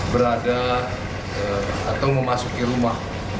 berada atau memasuki rumah